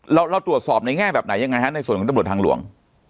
เราตรวจสอบในแง่แบบไหนหรือยังไงฮะในส่วนจุดทางหลวง